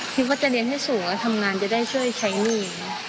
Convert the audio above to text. คิดว่าจะเรียนให้สูงแล้วทำงานจะได้ช่วยใช้หนี้